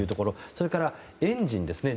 それからエンジンですね。